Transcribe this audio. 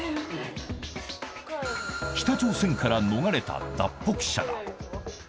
北朝鮮から逃れた脱北者だ。